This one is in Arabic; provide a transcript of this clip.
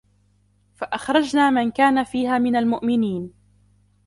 فَأَخْرَجْنَا مَنْ كَانَ فِيهَا مِنَ الْمُؤْمِنِينَ